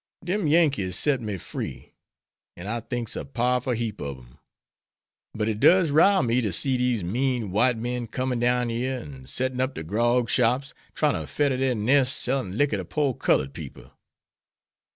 Dem Yankees set me free, an' I thinks a powerful heap ob dem. But it does rile me ter see dese mean white men comin' down yere an' settin' up dere grog shops, tryin' to fedder dere nests sellin' licker to pore culled people.